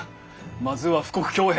まずは富国強兵。